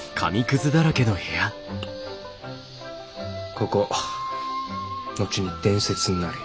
ここ後に伝説になるよ。